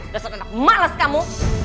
dasar anak malas kamu